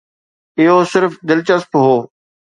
اهو صرف دلچسپ هو